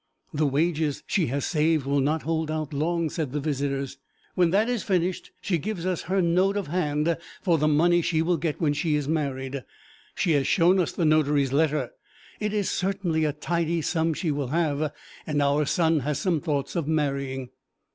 'The wages she has saved will not hold out long,' said the visitors. 'When that is finished she gives us her note of hand for the money she will get when she is married. She has shown us the notary's letter. It is certainly a tidy sum she will have, and our son has some thoughts of marrying.'